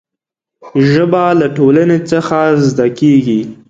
ژبه له ټولنې څخه زده کېږي.